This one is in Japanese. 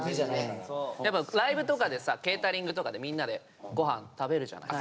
やっぱライブとかでさケータリングとかでみんなで御飯食べるじゃない。